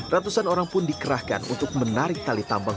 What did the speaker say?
ratusan orang pun dikerahkan untuk menarik tali tambang